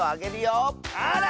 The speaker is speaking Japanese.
あら！